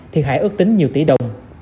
thiệt hại ước tính nhiều tỷ đồng